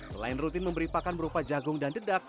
selain rutin memberi pakan berupa jagung dan dedak